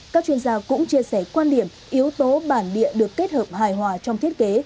các chuyên gia cũng chia sẻ quan điểm yếu tố bản địa được kết hợp hài hòa trong thiết kế